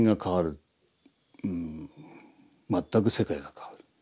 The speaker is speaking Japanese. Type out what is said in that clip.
全く世界が変わる。